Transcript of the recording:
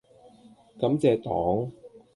感謝黨